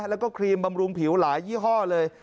แล้วก็ครีมบำรุงผิวหลายยี่ห้อเลย